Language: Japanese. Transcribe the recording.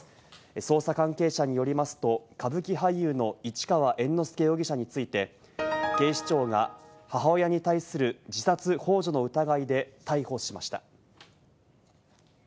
捜査関係者によりますと、歌舞伎俳優の市川猿之助容疑者について警視庁が母親に対する自殺ほう助の疑いで逮捕しました。